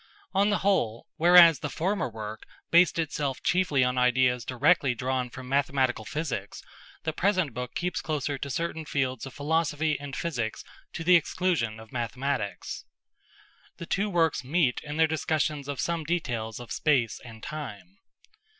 On the whole, whereas the former work based itself chiefly on ideas directly drawn from mathematical physics, the present book keeps closer to certain fields of philosophy and physics to the exclusion of mathematics. The two works meet in their discussions of some details of space and time.